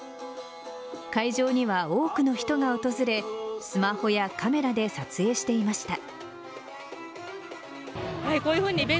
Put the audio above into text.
会場には多くの人が訪れスマホやカメラで撮影していました。